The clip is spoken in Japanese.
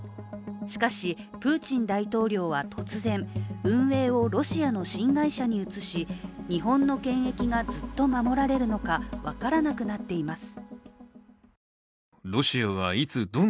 しかし、プーチン大統領は突然運営をロシアの新会社に移し日本の権益がずっと守られるのか分からなくなってきています。